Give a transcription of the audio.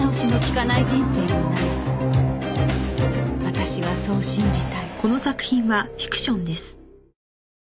私はそう信じたい